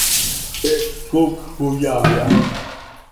Peez coocj oo yaai ha.